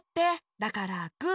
だからグー。